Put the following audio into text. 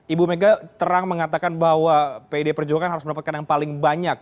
ibu mega terang mengatakan bahwa pdi perjuangan harus mendapatkan yang paling banyak